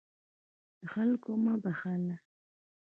له خلکو مه بخله.